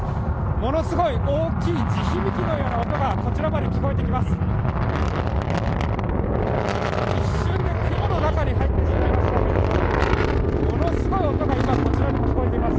ものすごい大きい地響きのような音がこちらまで聞こえてきます。